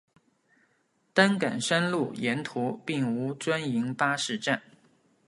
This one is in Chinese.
担杆山路沿途并无专营巴士站。